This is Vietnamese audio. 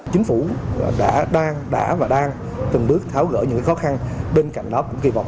chính phủ đã và đang từng bước tháo gỡ những khó khăn bên cạnh đó